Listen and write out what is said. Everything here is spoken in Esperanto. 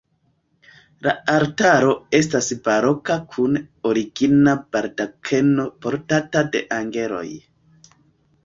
La altaro estas baroka kun origina baldakeno portata de anĝeloj.